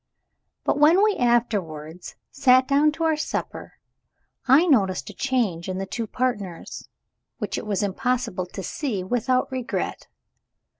But, when we afterwards sat down to our supper, I noticed a change in the two partners, which it was impossible to see without regret.